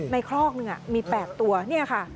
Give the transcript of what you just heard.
ไม่คลอกนึงมี๘ตัวนี่ค่ะ